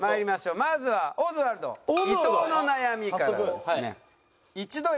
まずはオズワルド伊藤の悩みからですね。